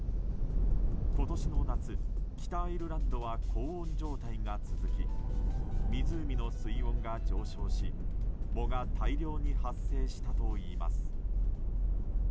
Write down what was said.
今年の夏、北アイルランドは高温状態が続き湖の水温が上昇し藻が大量に発生したといいます。